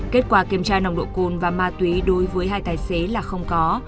kết quả kiểm tra nồng độ cồn và ma túy đối với hai tài xế là không có